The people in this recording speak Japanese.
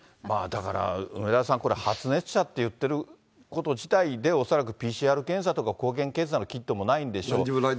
だから梅沢さん、発熱者っていってること自体で恐らくＰＣＲ検査とか抗原検査のキットもないんでしょう。